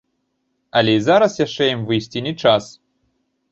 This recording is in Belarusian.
Але і зараз яшчэ ім выйсці не час.